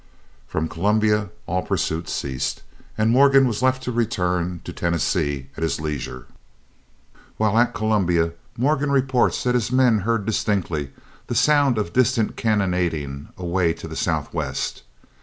From Columbia all pursuit ceased, and Morgan was left to return to Tennessee at his leisure. While at Columbia Morgan reports that his men heard distinctly the sound of distant cannonading away to the southwest.